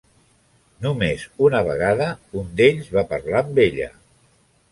Només una vegada un d'ells va parlar amb ella.